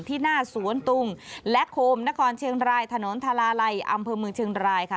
หน้าสวนตุงและโคมนครเชียงรายถนนทาลาลัยอำเภอเมืองเชียงรายค่ะ